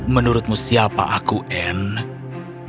menurutmu siapa aku anne